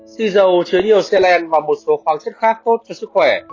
xì dầu chứa nhiều xe len và một số khoáng chất khác tốt cho sức khỏe